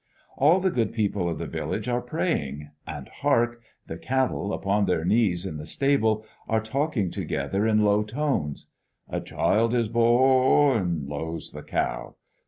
All the good people of the village are praying; and hark! the cattle, upon their knees in the stable, are talking together in low tones. "A child is bo or rn!" lows the cow.